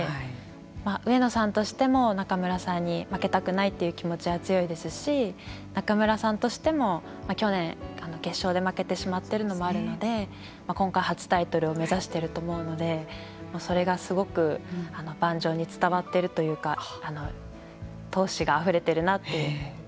上野さんとしても仲邑さんに負けたくないという気持ちが強いですし仲邑さんとしても去年決勝で負けてしまっているのもあるので今回初タイトルを目指していると思うのでそれがすごく盤上に伝わっているというか闘志があふれてるなと実感しています。